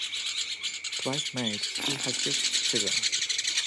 Twice married, he has six children.